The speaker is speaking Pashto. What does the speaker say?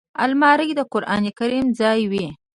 الماري د قران کریم ځای وي